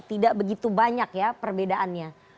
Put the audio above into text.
tidak begitu banyak ya perbedaannya